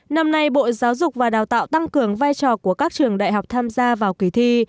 năm nay bộ giáo dục và đào tạo tăng cường vai trò của các trường đại học tham gia vào kỳ thi